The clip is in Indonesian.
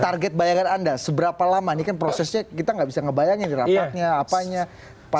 target bayangan anda seberapa lama ini kan prosesnya kita nggak bisa ngebayangin rapatnya apanya